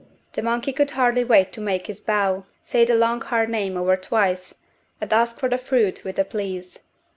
The monkey could hardly wait to make his bow, say the long hard name over twice and ask for the fruit with a "please."